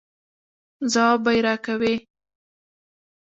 ځواب به یې راکوئ.